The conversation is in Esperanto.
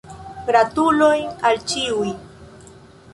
Gratulojn al ĉiuj.